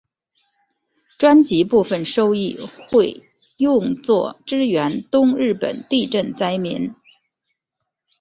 专辑部分收益会用作支援东日本地震灾民。